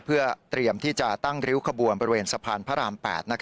เพื่อเตรียมที่จะตั้งริ้วขบวนบริเวณสะพานพระราม๘